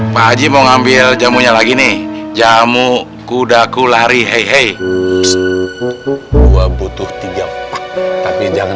pak haji mau ngambil jamunya lagi nih jamu kudaku lari hei hei gua butuh tiga tapi jangan